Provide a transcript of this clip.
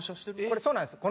これそうなんです。